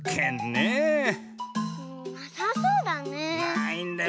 なさそうだね。